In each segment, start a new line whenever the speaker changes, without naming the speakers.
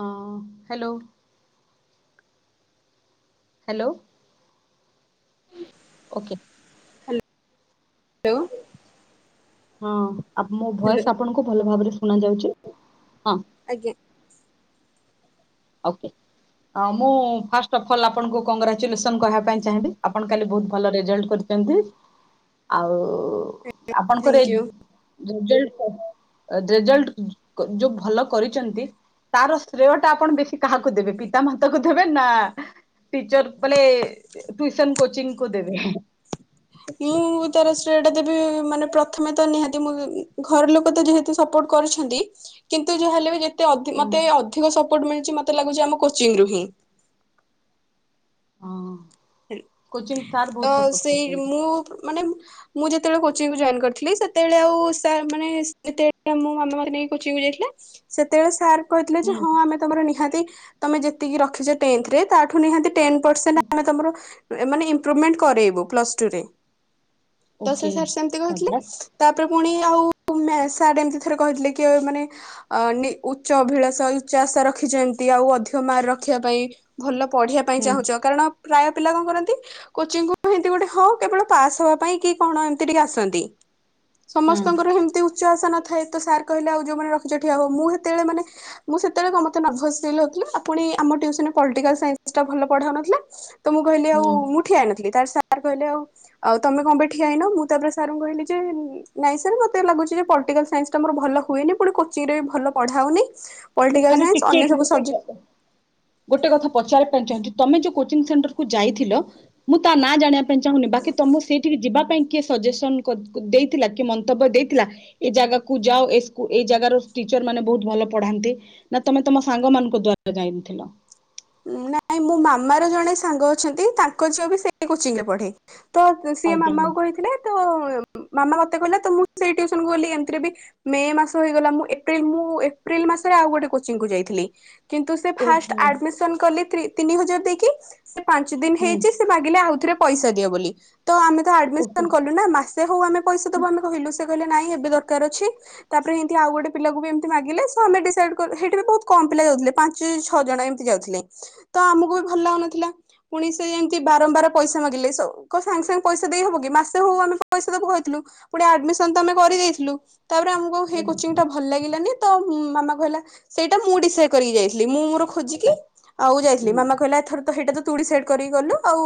ହଁ hello. Hello.
ହୁଁ।
Okay.
Hello.
ହଁ ଆପ ମୋ
ହ୍ୟାଲୋ
ଭଏସ ଆପଣଙ୍କୁ ଭଲ ଭାବରେ ଶୁଣା ଯାଉଚି।
ଆଜ୍ଞା।
ଓକେ। ହଁ ମୁଁ ଫାଷ୍ଟ ଅଫ୍ ଅଲ୍ ଆପଣଙ୍କୁ କଂଗ୍ରାଚୁଲେସନ କହିବା ପାଇଁ ଚାଁହିଁବି ଆପଣ କାଲି ବୋହୁତ ଭଲ ରେଜଲ୍ଟ କରି ଏମିତି ଆଉ ଆପଣଙ୍କର
ଥ୍ୟାଙ୍କ
ଏ
ୟୁ
[unintelligible] ରେଜଲଟ ଯୋଉ ଭଲ କରିଛନ୍ତି ତାର ଶ୍ରେୟ ଟା ଆପଣ ବେଶୀ କାହାକୁ ଦେବେ ପିତାମାତା କୁ ଦେବେ ନା ଟିଚରକୁ ମାନେ ଟିଉସନ କୋଚିଂ କୁ ଦେବେ।
ନିଁ [unintelligible] ତେବେ ମାନେ ପ୍ରଥମେ ତ ନିହାତି ଘର ଲୋକ ତ ଯେହେତୁ ସପୋର୍ଟ କରୁଛନ୍ତି କିନ୍ତୁ ଯାହା ହେଲେ ବି ମତେ ଅଧିକ ମତେ ଅଧିକ ସପୋର୍ଟ ମିଳିଛି ମତେ ଲାଗୁଛି ଆମ କୋଚିଂ ରୁ ହିଁ।
ହିଁ।
ତ ସେଇ
କରୁଛନ୍ତି
ମୁଁ ମାନେ ମୁଁ ଯେତେବେଳେ କୁଚିଙ୍ଗ ଜଏନ କରିଥିଲି ସେତେବେଳେ ଆଉ ସାର୍ ମାନେ ଟିକେ ମୋ ମାମା ମାନେ ରେଡି ତ ସେତେବେଳେ ସାର୍ କହିଥିଲେ ଯେ
ହୁଁ।
ହଁ ଆମେ ତମର ନିହାତି ତମେ ଯେତିକି ରଖିଛ ଟେନଥରେ ତାଠୁ ନିହାତି ଟେନ୍ ପରସେଣ୍ଟ ଆମେ ତମର ଇମ୍ପ୍ରୁମେଣ୍ଟ କରେଇବୁ ପ୍ପ୍ଲସଟୁରେ। ଦଶା
ଓକେ
ସାର୍ ସେମିତି କହୁଥିଲେ
ସଦା
ତାପରେ ପୁଣି ଆଉ ମେଁ ସାର୍ଟ ଏମତି ଥରେ କହିଥିଲେ କି ମାନେ ଅ ଉଚ୍ଚ ଅଭିଳାଷ ଉଚା ଆଶା ରଖିଛିନ୍ତି ଏମିତି ଆଉ ଆଉ ଅଧିକ ମାର୍କ ରଖିବା ପାଇଁ ଭଲ ପଢିବା ପାଇଁ
ହୁଁ
ଚାହୁଁଛ କାରଣ ପ୍ରାୟ ପିଲା କଣ କରନ୍ତି କୋଚିଙ୍ଗକୁ ହିନ୍ତି ଗୋଟେ ହଁ କେବଳ ପାସ୍ ହବା ପାଇଁ କି କଣ ଏମତି ଟିକେ ଆସନ୍ତି।
ହଁ
ସମସ୍ତଙ୍କର ହେମିତି ଉଚା ଆସା ନ ଥାଏ ତ ସାର୍ କହିଲେ ଆଉ ଯୋଉ ମାନେ ରଖିଛ ଠିଆ ହୁଅ ମୁଁ ସେତେବେଳେ ମାନେ ମୁଁ ସେତେବେଳେ ମାନେ ନଭ୍ରସ ଫିଲ ହଉଥିଲା ଆଉ ପୁଣି କି ଆମ ଟିଉସନରେ ପଲିଟିକାଲ ସାଇସ୍ନି ଟା ଭଲ ପଢା ହଉ ନ ଥିଲା ତ ମୁଁ କହିଲି ଆଉ
ହୁଁ
ମୁଁ ଠିଆ ହେଇନଥିଲି ତାପରେ ସାର୍ ସାର୍ କହିଲେ ଆଉ ଆଉ ତମେ କଣ ପାଇଁ ଠିଆ ହେଇନ ମୁଁ ତାପରେ ସାରଙ୍କୁ କହିଲି ଯେ ନାଇଁ ସାର ମତେ ଲାଗୁଛି ଯେ ପଢା ପ୍ଲାଟିକାଲ ସାଇସ୍ନୀଟା ମୋର ଭଲ ହୁଏନି ପୁଣି କୋଚିଙ୍ଗ ରେ ବି ଭଲ ପଢାହଉ ନି।
ଖାଲି ଟିକେ ଏଠୀ ଗୋଟେ ଗୋଟେ କଥା ପଚାରିବା ପାଇଁ ଚାହୁଁଛି ତମେ ଯୋଉ କୋଚିଂ ସେଣ୍ଟରକୁ ଯାଇଥିଲ ମୁଁ ତା ନାଁ ଜାଣିବା ପାଇଁ ଚାହୁଁନି ବାକି ତମକୁ ସେଇଠିକି ଯିବାକୁ ସେଥିପାଇଁ କିଏ ସଜେସ ଦେଇଥିଲା କି ମନ୍ତବ୍ୟ ଦେଇଥିଲା ଏ ଜାଗାକୁ ଯାଅ ଏ ଜାଗାକୁ ଟିଚର ମାନେ ବହୁତ ଭଲ ପଢାନ୍ତି ନା ତମେ ତମ ସାଙ୍ଗ ମାନଙ୍କ ଦ୍ଵାରା ଯାଇଥିଲ?
ନାଇଁ ମୋ ମାମାର ଜଣେ ସାଙ୍ଗ ଅଛନ୍ତି ତାଙ୍କ ଝିଅ ବି ସେ କୋଚିଂରେ ପଢେ ତ ସିଏ
ଆଜ୍ଞା
ମାମାକୁ କହିଥିଲେ ତ ମାମା ମତେ କହିଲେ ତ ମୁଁ ସେଇ ଟିୟୁସନ କୁ ଗଲି। ଏମିତିରେ ବି ମେ ମାସ ହେଇଗଲା ମୁଁ ଏପ୍ରିଲ ମୁଁ ଏପ୍ରିଲ ମାସରେ ଆଉ ଗୋଟେ କୋଚିଙ୍ଗ କୁ ଯାଇଥିଲି କିନ୍ତୁ ସେ
ଓହୋ
ଫାଷ୍ଟେ ଆଡିମିଶନ ତିନି ହଜାର ଦେଇକି ସେ ପାଞ୍ଚ ଦିନ
ହୁଁ
ହେଇଛି ସେ ମାଗିଲେ ଆଉଥରେ ପଇସା ଦିଅ ବୋଲି ତ ଆମେ ତ
ଓକେ
ଆଡ୍‌ମିସନ କଲୁ ନା ମାସେ ହଉ ଆମେ ପଇସା ଦବୁ ଆମେ କହିଲୁ। ସେ କହିଲେ ନାଇଁ ଏବେ ଦରକାର ଅଛି ତାପରେ ଏମିତି ଆଉ ଗୋଟେ ପିଲାକୁ ବି ଏମିତୀ ମାଗିଲେ ତ ଆମେ ଡିଶାଇଟି କଲୁ ସେ ବହୁତ କମ୍ ଆମ ପିଲା ଯାଉଥିଲେ ପାଞ୍ଚ ଛଅ ଜଣ ଏମ୍ ଯାଉଥିଲେ ତ ଆମକୁ ବି ଭଲ ଲାଗୁନଥିଲା। ପୁଣି ସେ ଏମିତି ବାରମ୍ବାର ପଇସା ମାଗିଲେ ସାଙ୍ଗ ସାଙ୍ଗେ ସାଙ୍ଗେ ପଇସା ଦେଇ ହବ କି ମାସେ ହଉ ଆମେ ପଇସା ଦବୁ କହିଥିଲୁ ପୁଣି ଆଡମିସ ତ ଆମେ କରିଦେଇଥିଲୁ। ତାପରେ ଆମକୁ ସେଇ
ଆଜ୍ଞା
କୋଚିଙ୍ଗ ଟା ଭଲ ଲାଗିଲାନି ତ ଉଁ ମାମା କହିଲା ସେଇଟା ମୁଁ ଡିସାଇଟି କରିକି ଯାଇଥିଲି ମୁଁ ମୋର ଖ ଲି ଆଉ ଯାଇଥିଲି
ହୁଁ
ମାମା କହିଲା ଥରେ ତ ହେଇଟା ତୁ ଡିସାଇଟ୍ କରିକି ଗଲୁ। ଆଉ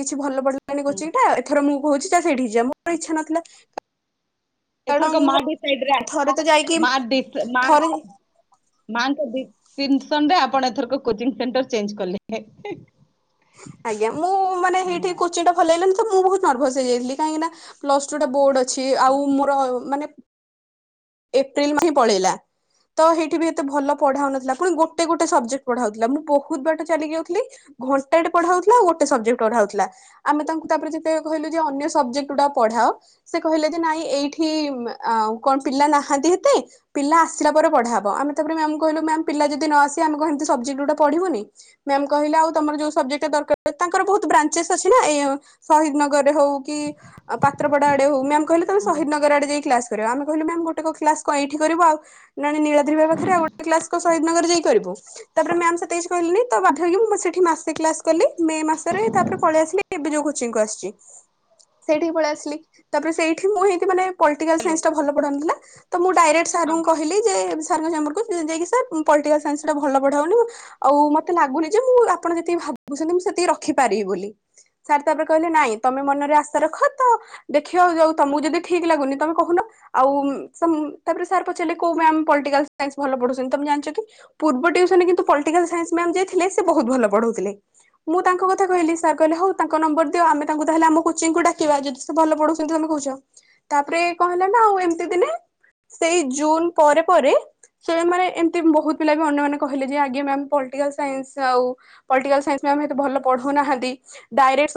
କିଛି ଭଲ
ହୁଁ
[unintelligible] ଏଥର ମୁଁ କହୁଚି ଚାଲ ସେଇଠିକି ଯିବା। ମୋର ଇଛା ନଥିଲା। କାରଣ
ଏଥରକ
ମୁଁ
ମା ଡିସାଇଟ୍ ରେ ଆ
ଥରେ ତ ଯାଇକି
ମା ଡ଼ିସ ଟା
ଥରେ
ମାଙ୍କ ତିନସନରେ ଆପଣ ଏଥର କୋଚଂ ସେଣ୍ଟର ଚେଞ୍ଜ କଲେ।
ଆଜ୍ଞା ମୁଁ ମାନେ ଏଇଠି କୋଚିଟା ଭଲଇଲିଣିି ତ ମୁଁ ବହୁତ ନର୍ଭସ୍ ହେଇଯାଇଥିଲି କାହିଁକିନା ପ୍ଲସ ଟୁ ଟା ବୋର୍ଡ଼ ଅଛି। ଆଉ ମୋର ମାନେ ଏପ୍ରିିଲ ମହିଁ ପଳେଇଲା। ତ ସେଇଠି ବି ଏତେ ଭଲ ପଢାହଉନଥିଲା ପୁଣି ଗୋଟେ ଗୋଟେ ସବଜେକ୍ଟ ପଢା ହଉଥିଲା। ମୁଁ ବହୁତ ବାଟ ଚାଲି ଯାଉଥିଲି। ଘଣ୍ଟାଟେ ପଢାଉଉଥିଲା ଆ ଗୋଟେ ସବଜେକ୍ଟ ପଢାଉଉଥିଲା ଆମେ ତାଙ୍କୁ ତାପରେ ଯେତେ କହିଲୁ ଯେ ଅନ୍ୟ ସବଜେକ୍ଟ ଟା ପଢା ସେ କହିଲେ ଯେ ନାଇଁ ଏଇଠି ଆ କଣ ପିଲା ନାହାନ୍ତି। ଏତେ ପିଲା ଆସିଲା ପରେ ପଢା ହବ ଆମେ ତାପରେ ମ୍ୟାମ କହିଲୁ ମ ପିଲା ଯଦି ନ ଆସ ଆମେ କହ ଟା ପଢିବୁନି ମ କହିଲେ ଆଉ ତମର ଯୋଉ ସବେକ୍ଟା ଦରକାର ତାଙ୍କର ବହୁତ ବ୍ରାଞ୍ଚେସ୍ ଅଛି ନା ଏୟା ଶହିଦ୍‌ ନଗର ରେ ହଉ କି ପାତ୍ରପଡା ଆଡେ ହୋଉ ମ୍ୟାମ କହିଲେ ତମେ
ହଁ।
ସହିଦ୍‌ ନଗର ଆଡେ ଯାଇକି କ୍ଲାସ କରିବ। ଆମେ କିହିଲୁ ମ୍ୟାମ ଗୋଟେକ କ୍ଲାସ କଣ ଏଇଠି କରିବୁ ଆଉ ନା ନୀଳାଦ୍ରୀ ପାଖରେ ଆଉ ଗଟେ କ୍ଲାସ୍ ଶହିଦ୍ ନଗର ଯାଇ କରିବୁ ତାପରେ ମ କିଛି କହିଲି ବା ମୁଁ ସେଠି ମାସେ କ୍ଲାସ କଲି ମେ ମାସରେ। ତାପରେ ପଳେଇ ଆସିଲେ ଏବେ ଯୋଉ କୋଚିକୁ ଆସିଛି। ସେଇଠି ପଳେଇ ଆସିଲି ତାପରେ ସେଇଠି ମୁଁ ହେଇ ମାନେ ପଲିଟିକାଲ୍
ହ୍ୟାଲୋ
ସାଇନ୍ସ ଥିଲା ମୁଁ ଡାଇରେଟ
ହଁ
ସାରଙ୍କୁ କହିଲି ଯେ [unintelligible] ପାଲିଟିକାଲ୍ ସାଇନ୍ସ ଟା ଭଲ ପଢା ହଉନି। ଆଉ ମୋତେ ଲାଗୁନି ମୁଁ ଆପଣ ଯେତିକି ଭାବୁ ଭାବୁଛନ୍ତି ମୁଁ ସେତିକି ରଖିପାରିବି ବୋଲି। ସାର୍ ତାପରେ କହିଲେ ନାଇଁ ତମେ ମନରେ ଆଶା ରଖ ତ ଦେଖିବ ଯୋଉ ତମକୁ ଯଦି ଠିକ୍ ଲାଗୁନି ତମେ କହୁନ। ଆଉ ତାପରେ ସାର୍ ପଚାରିଲେ କୋଉ ମ୍ୟାମ୍ ପଲ୍ ଟିକାଲ୍ ସାଇନ୍ସ ଭଲ ପଢଉଛନ୍ତି ତମେ ଜାଣିଛ କି? ପୂର୍ବ ଟ୍ୟୁସନ କିନ୍ତୁ ପାଲିଟିକାଲ୍ ସାଇନ୍ସ ମ୍ୟାମ୍ ଯିଏ ଥିଲେ ସେ ବହୁତ ଭଲ ପଢ଼ଉଥିଲେ। ମୁଁ ତାଙ୍କ କଥା କହିଲି ସାର୍ କହିଲେ ହଉ ତାଙ୍କ ନମ୍ବର ଦି ଆମେ ତାହେଲେ ଆମ କୋଚିଙ୍ଗ କୁ ଡାକିବା ଯଦି ସେ ଭଲ ପଢଉଛନ୍ତି। ତମେ କହୁଛ ତାପରେ କହିଲ ନା ଆଉ ଏମିତି ଦିନେ ସେଇ ଜୁନ୍‌ ପରେ ପରେ ସେ ମାନେ ଏମିତି ବହୁତ ପିଲା ଅନ୍ୟ ମାନେ କହିଲେ ଯେ ଆଜ୍ଞା ମ୍ୟାମ୍ ପାଲିଟିକାଲ୍ ସାଇନ୍ସ ଆଉ ପାଲିଟିକାଲ୍ ସାଇନ୍ସ ମ୍ୟାମ୍ ମାନେ ତ ଭଲ ପଢ଼ଉନାହାନ୍ତି ଡାଇରେକ୍ଟ ସ